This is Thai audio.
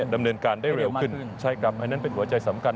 ดำเนินการได้เร็วขึ้นใช่ครับอันนั้นเป็นหัวใจสำคัญ